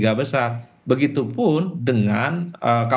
kalau kita bisa menggunakan